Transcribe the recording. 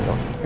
saya gak suka